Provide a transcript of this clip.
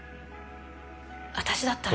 私だったら。